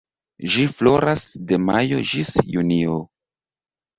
Ĝi floras de majo ĝis junio.